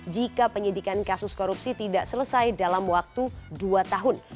jika penyidikan kasus korupsi tidak selesai dalam waktu dua tahun